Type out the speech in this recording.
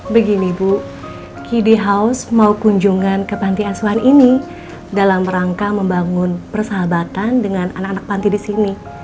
begini bu kd house mau kunjungan ke panti asuhan ini dalam rangka membangun persahabatan dengan anak anak panti di sini